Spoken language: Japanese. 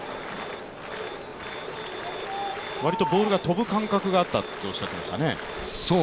割とボールか飛ぶ感覚があったとおっしゃっていましたね。